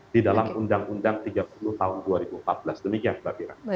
di dalam undang undang tiga puluh tahun dua ribu empat belas demikian mbak fira